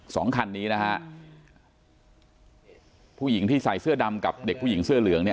สองคันนี้นะฮะผู้หญิงที่ใส่เสื้อดำกับเด็กผู้หญิงเสื้อเหลืองเนี่ย